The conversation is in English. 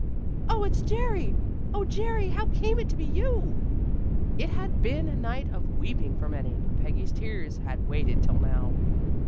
"Oh, it's Jerry! Oh, Jerry, how came it to be you?" It had been a night of weeping for many, but Peggy's tears had waited till now.